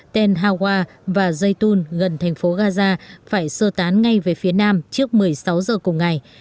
tenhawa và zaytun gần thành phố gaza phải sơ tán ngay về phía nam trước một mươi sáu giờ cùng ngày